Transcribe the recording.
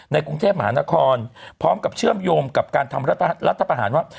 กรุงเทพมหานครพร้อมกับเชื่อมโยงกับการทำรัฐประหารว่า